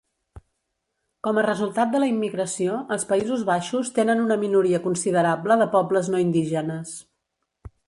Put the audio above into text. Com a resultat de la immigració, els Països Baixos tenen una minoria considerable de pobles no indígenes.